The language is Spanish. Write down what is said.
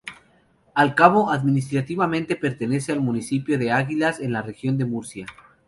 El cabo, administrativamente, pertenece al municipio de Águilas, en la Región de Murcia.